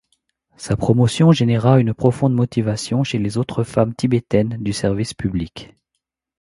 Sa promotion généra une profonde motivation chez les autres femmes tibétaines du service public.